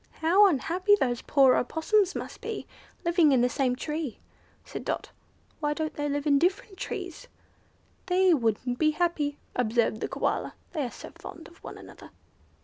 "How unhappy those poor Opossums must be, living in the same tree," said Dot; "why don't they live in different trees?" "They wouldn't be happy," observed the Koala, "they are so fond of one another."